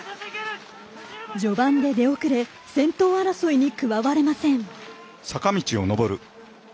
序盤で出遅れ先頭争いに加われません。